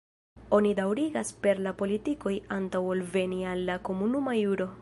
Oni daŭrigas per la politikoj antaŭ ol veni al la komunuma juro.